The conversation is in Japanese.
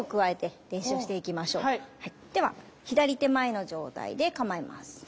では左手前の状態で構えます。